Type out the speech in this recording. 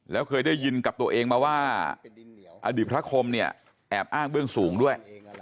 แล้วเคยได้ยินกับตัวเองมาว่าอดีตพระคมเนี่ยแอบอ้างเบื้องสูงด้วย